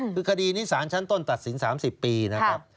คือคดีนี้สารชั้นต้นตัดสิน๓๐ปีนะครับ